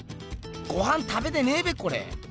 ごはん食べてねぇべこれ。